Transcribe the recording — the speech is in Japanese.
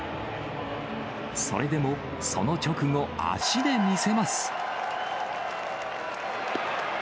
それでも、その直後、足で見せます。